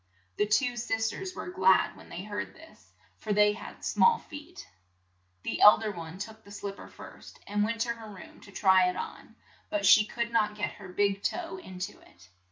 The two sis ters were glad when they heard this, for they had small feet. The eld er one took the slip per first, and went to her room to try it on, but she could not get her big toe in to it.